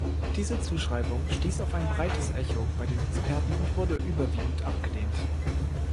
Diese Zuschreibung stieß auf ein breites Echo bei den Experten und wurde überwiegend abgelehnt.